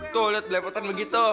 tuh liat belepotan begitu